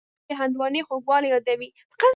خوړل د هندوانې خوږوالی یادوي